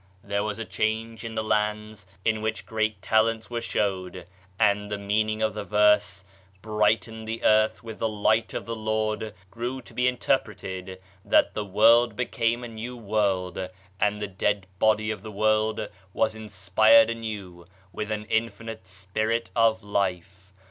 There was a change in the lands in which great talents were showed, and the meaning of the verse — "brightened the earth with the Light of the Lord" — grew to be inter preted that the world became a new world and die dead body of the world was inspired anew with an infinite spirit of life.